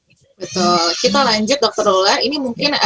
nah kita lanjut dr lula ini mungkin